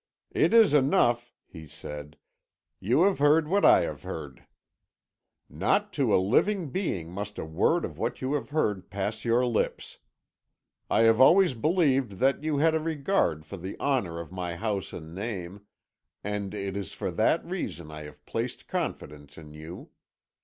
"'It is enough,' he said; 'you have heard what I have heard. Not to a living being must a word of what you have heard pass your lips. I have always believed that you had a regard for the honour of my house and name, and it is for that reason I have placed confidence in you.